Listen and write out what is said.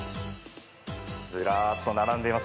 ずらっと並んでいます。